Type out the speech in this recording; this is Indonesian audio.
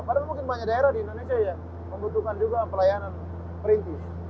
padahal mungkin banyak daerah di indonesia yang membutuhkan juga pelayanan perintis